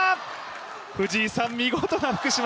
藤井さん、見事な福島。